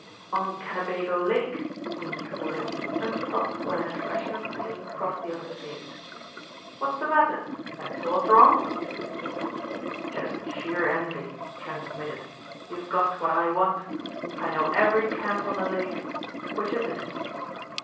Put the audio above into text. "On Kennebago lake," Weems told him and stopped when an expression of pain crossed the other's face. "What's the matter? That sauce wrong?" "Just sheer envy," Trent admitted, "you've got what I want. I know every camp on the Lake. Which is it?"